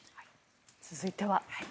続いては。